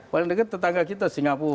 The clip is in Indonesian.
paling dekat tetangga kita singapura